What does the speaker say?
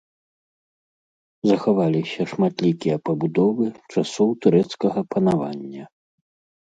Захаваліся шматлікія пабудовы часоў турэцкага панавання.